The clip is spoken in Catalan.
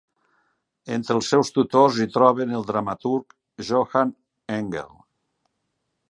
Entre els seus tutors hi trobem el dramaturg Johann Engel.